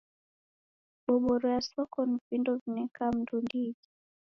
Boboro ya soko ni vindo vineka mundu ndighi.